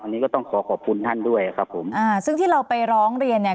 อันนี้ก็ต้องขอขอบคุณท่านด้วยครับผมอ่าซึ่งที่เราไปร้องเรียนเนี่ย